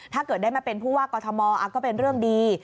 ถ้าเกิดได้มาเป็นผู้ว่ากอทมก็เป็นเรื่องดี